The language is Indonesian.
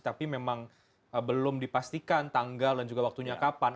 tapi memang belum dipastikan tanggal dan juga waktunya kapan